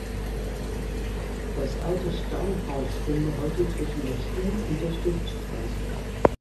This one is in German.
Das "alte Steinhaus" stünde heute zwischen der Schul- und der Stiftstraße.